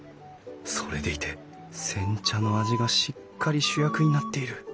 それでいて煎茶の味がしっかり主役になっている。